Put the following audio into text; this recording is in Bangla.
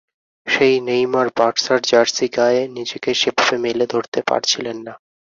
সেই নেইমার বার্সার জার্সি গায়ে নিজেকে সেভাবে মেলে ধরতে পারছিলেন না।